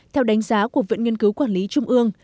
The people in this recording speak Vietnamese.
theo đánh giá của viện nghiên cứu quản lý trung ương